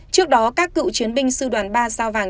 trước đó các cựu chiến binh sư đoàn ba sao vàng